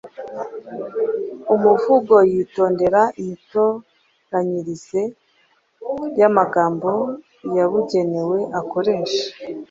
umuvugo yitondera imitoranyirize y’amagambo yabugenewe akoresha